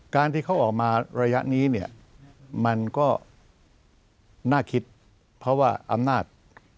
การที่เขาออกมาระยะนี้เนี่ยมันก็น่าคิดเพราะว่าอำนาจ